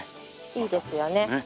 いいですよね。